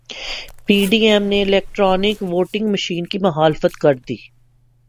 پی D M نے electronic voting machine کی مخالفت کردی